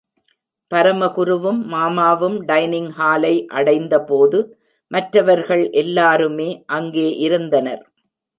பரமகுருவும், மாமாவும் டைனிங் ஹாலை அடைந்தபோது, மற்றவர்கள் எல்லாருமே அங்கே இருந்தனர்.